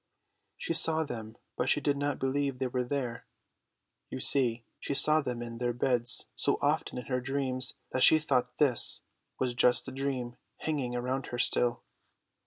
She saw them, but she did not believe they were there. You see, she saw them in their beds so often in her dreams that she thought this was just the dream hanging around her still.